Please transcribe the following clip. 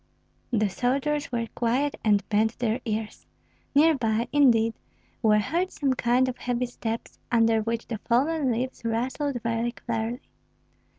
The soldiers were quiet and bent their ears. Near by, indeed, were heard some kind of heavy steps, under which the fallen leaves rustled very clearly.